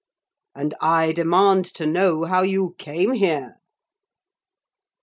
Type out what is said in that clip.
'And I demand to know how you came here?'